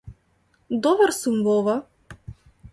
Добар сум во ова.